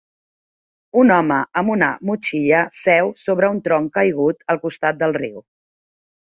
Un home amb una motxilla seu sobre un tronc caigut al costat del riu.